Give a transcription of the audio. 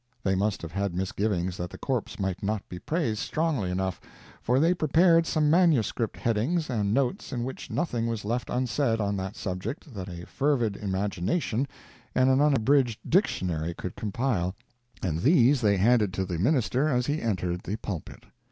They must have had misgivings that the corpse might not be praised strongly enough, for they prepared some manuscript headings and notes in which nothing was left unsaid on that subject that a fervid imagination and an unabridged dictionary could compile, and these they handed to the minister as he entered the pulpit.